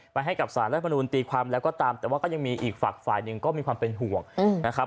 ให้กับสารรัฐมนุนตีความแล้วก็ตามแต่ว่าก็ยังมีอีกฝากฝ่ายหนึ่งก็มีความเป็นห่วงนะครับ